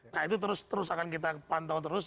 nah itu terus terus akan kita pantau terus